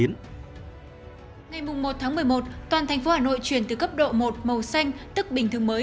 ngày một một mươi một toàn thành phố hà nội chuyển từ cấp độ một màu xanh tức bình thường mới